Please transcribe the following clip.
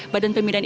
badan pemirian idul